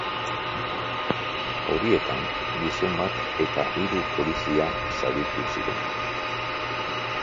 Horietan, gizon bat eta hiru polizia zauritu ziren.